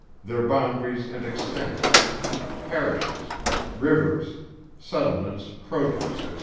Their Boundaries and Extent. Parishes. Rivers. Settlements, Produce, &c.